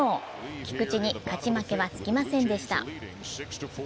菊池に勝ち負けはつきませんでした。